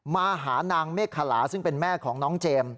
มาหานางเมฆขลาซึ่งเป็นแม่ของน้องเจมส์